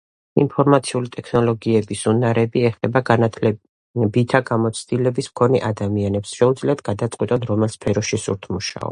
ინფორმაციული ტექნოლოგიების უნარები ეხება განათლებითა გამოცდილების მქონე ადამიანებს შეუძლიათ გადაწყვიტონ რომელ სფეროში სურთ მუშაობა